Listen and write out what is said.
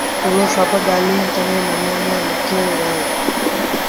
اوٚ سڀ ڳآليٚنٚ چڱي نموٚني لکيݩ وهينٚ